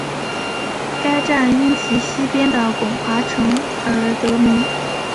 该站因其西边的巩华城而得名。